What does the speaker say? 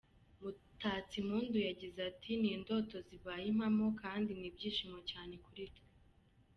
Mutatsimpundu yagize ati “ Ni indoto zibaye impamo kandi ni ibyishimo cyane kuri twe.